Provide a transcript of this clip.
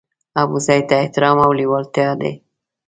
ابوزید ته احترام او لېوالتیا لري.